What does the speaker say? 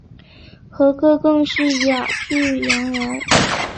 和歌更是雅趣盎然。